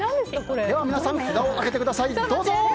では皆さん、札を上げてください。